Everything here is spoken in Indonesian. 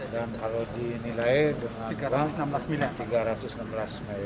dan kalau dinilai dengan uang tiga ratus enam belas miliar